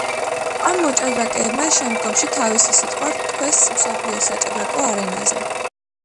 ამ მოჭდრაკეებმა შემდგომში თავისი სიტყვა თქვეს მსოფლიო საჭადრაკო არენაზე.